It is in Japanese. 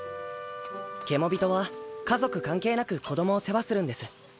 ケモビトは家族関係なく子どもを世話するんです。